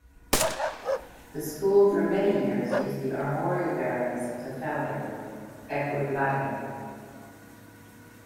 The school for many years used the armorial bearings of the founder, Edward Latymer.